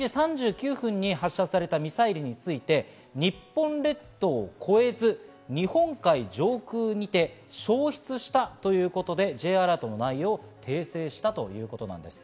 ７時３９分に発射されたミサイルについて、日本列島を越えず、日本海上空にて消失したということで、Ｊアラートの内容を訂正したということなんです。